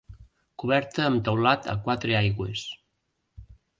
Coberta amb teulat a quatre aigües.